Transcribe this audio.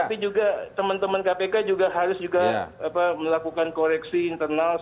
tapi juga teman teman kpk juga harus juga melakukan koreksi internal